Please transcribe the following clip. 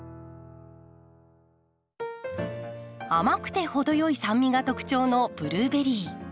甘くて程よい酸味が特徴のブルーベリー。